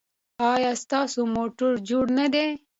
ایا ستاسو موټر جوړ نه دی؟